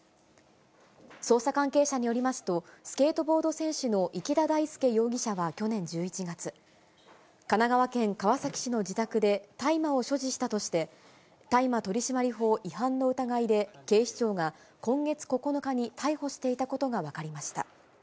捜査関係者によりますと、スケートボード選手の池田大亮容疑者は去年１１月、神奈川県川崎市の自宅で大麻を所持したとして、大麻取締法違反の疑いで、警視庁が今月９日に逮捕していたことが分かりました。